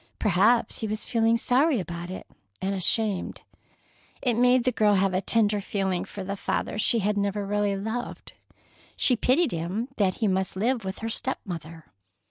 Perhaps he was feeling sorry about it, and ashamed. It made the girl have a tenderer feeling for the father she had never really loved. She pitied him that he must live with her step mother.